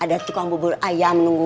ada tukang bubur ayam menunggu